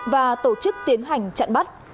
và tổ chức tiến hành chặn bắt